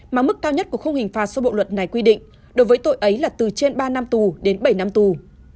mà mức cao nhất của khung hình phạt số bộ luật này quy định đối với tội ấy là từ trên ba năm tù đến bảy năm tù